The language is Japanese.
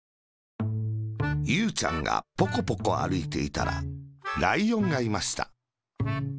ゆうちゃんがポコポコあるいていたら、ライオンがいました。